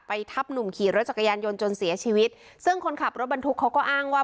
ทับหนุ่มขี่รถจักรยานยนต์จนเสียชีวิตซึ่งคนขับรถบรรทุกเขาก็อ้างว่า